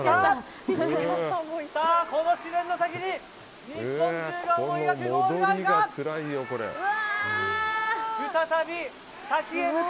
この試練の先に日本中が思い描くゴールがあるのか！